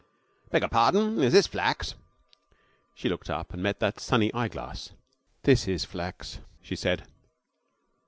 'I beg your pardon, is this Flack's?' She looked up and met that sunny eyeglass. 'This is Flack's,' she said.